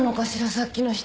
さっきの人。